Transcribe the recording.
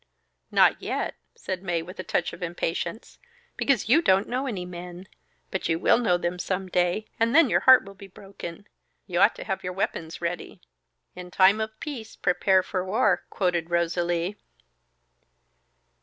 "Not yet," said Mae with a touch of impatience, "because you don't know any men, but you will know them some day, and then your heart will be broken. You ought to have your weapons ready." "In time of peace prepare for war," quoted Rosalie.